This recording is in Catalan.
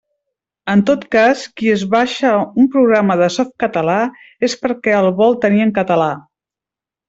En tot cas, qui es baixa un programa de Softcatalà és perquè el vol tenir en català.